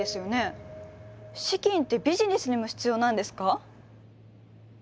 資金ってビシネスにも必要なんですか。